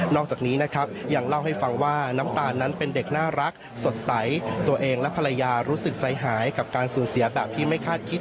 จากนี้นะครับยังเล่าให้ฟังว่าน้ำตาลนั้นเป็นเด็กน่ารักสดใสตัวเองและภรรยารู้สึกใจหายกับการสูญเสียแบบที่ไม่คาดคิด